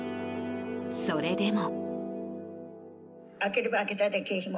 それでも。